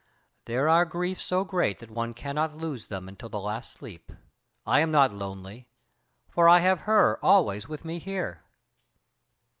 There are griefs so great that one cannot lose them until the last sleep. I am not lonely, for I have Her always with me here."